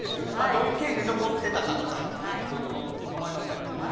どういう経緯で残っていたかというものでも構いません。